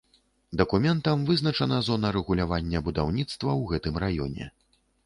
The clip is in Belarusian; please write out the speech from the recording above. Дакументам вызначана зона рэгулявання будаўніцтва ў гэтым раёне.